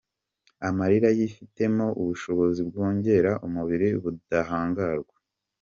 Amarira yifitemo ubushobozi bwongerera umubiri ubudahangarwa.